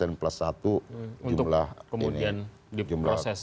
untuk kemudian di proses